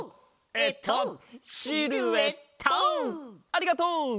ありがとう！